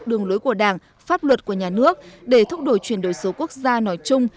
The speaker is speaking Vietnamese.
đường lối của đảng pháp luật của nhà nước để thúc đổi chuyển đổi số quốc gia nói chung